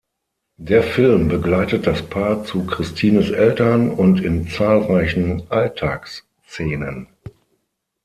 Der Film begleitet das Paar zu Christines Eltern und in zahlreichen Alltagsszenen.